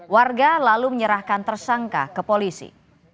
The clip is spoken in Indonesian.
warga lalu menyerahkan tersangka ke polisi